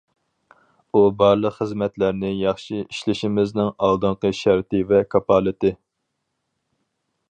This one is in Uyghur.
ئۇ بارلىق خىزمەتلەرنى ياخشى ئىشلىشىمىزنىڭ ئالدىنقى شەرتى ۋە كاپالىتى.